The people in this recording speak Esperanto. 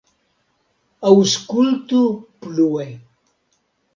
Aŭskultu plue!